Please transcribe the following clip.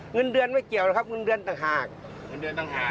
เงินเดือนไม่เกี่ยวหรอกครับเงินเดือนต่างหากเงินเดือนต่างหาก